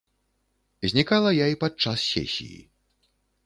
Знікала я і падчас сесіі.